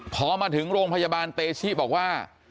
พอมาถึงโรงพยาบาลเตชิบอกว่า